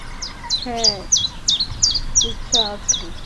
হাঁ, ইচ্ছা আছে।